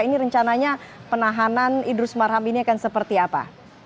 ini rencananya penahanan idrus marham ini akan seperti apa